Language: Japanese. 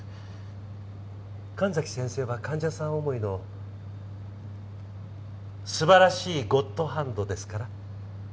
神崎先生は患者さん思いのすばらしいゴッドハンドですから。